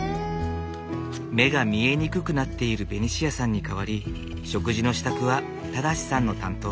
目が見えにくくなっているベニシアさんに代わり食事の支度は正さんの担当。